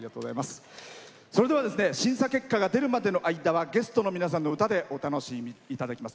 それでは審査結果が出るまでの間はゲストの皆さんの歌でお楽しみいただきます。